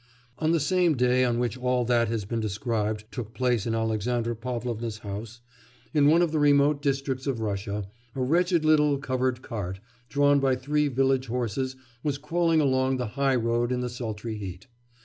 On the same day on which all that has been described took place in Alexandra Pavlovna's house, in one of the remote districts of Russia, a wretched little covered cart, drawn by three village horses was crawling along the high road in the sultry heat.